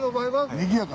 にぎやか。